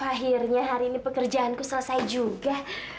akhirnya hari ini pekerjaanku selesai juga